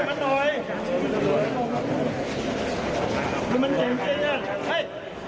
ขอคุยกับมันหน่อย